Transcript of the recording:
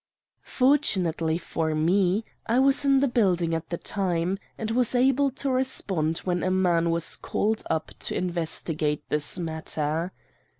"Fortunately for me I was in the building at the time, and was able to respond when a man was called up to investigate this matter.